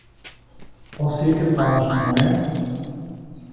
Você é capaz, não é?